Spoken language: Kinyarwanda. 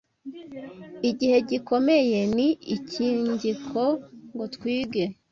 igihe gikomeye ni ikingiko ngo twige